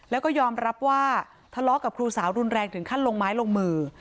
แล้วก็ยอมรับว่าทะเลาะกับครูสาวรุนแรงถึงขั้นลงไม้ลงมือ